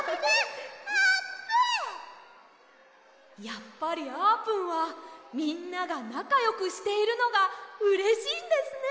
やっぱりあーぷんはみんながなかよくしているのがうれしいんですね。